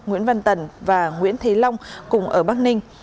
nguyễn văn tần và nguyễn thế long cùng ở bắc ninh